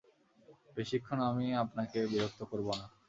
বেশিক্ষণ আমি আপনাকে বিরক্ত করব না।